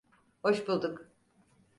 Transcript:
Hoş bulduk.